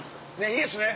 いいですね？